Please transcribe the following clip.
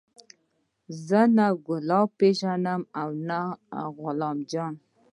زه نه ګلاب پېژنم نه غلام جان.